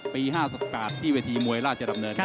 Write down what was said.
ปี๕๘ที่เวทีมวยราชดำเนินครับ